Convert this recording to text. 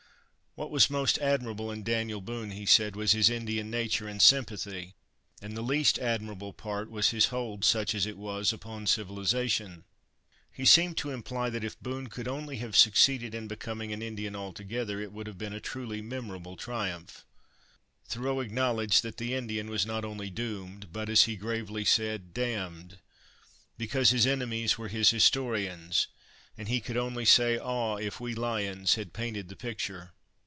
What was most admirable in Daniel Boone, he said, was his Indian nature and sympathy; and the least admirable part was his hold, such as it was, upon civilization. He seemed to imply that if Boone could only have succeeded in becoming an Indian altogether, it would have been a truly memorable triumph. Thoreau acknowledged that the Indian was not only doomed, but, as he gravely said, damned, because his enemies were his historians; and he could only say, "Ah, if we lions had painted the picture!"